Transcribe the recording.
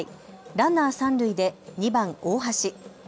ランナー三塁で２番・大橋。